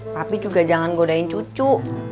tapi juga jangan godain cucu